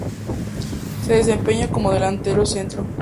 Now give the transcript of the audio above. Se desempeña como delantero centro.